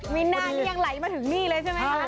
มีนาที่ยังไหลมาถึงนี่เลยใช่มั้ยครับ